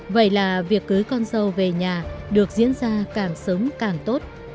vậy là việc cưới con dâu về nhà được diễn ra càng sớm càng tốt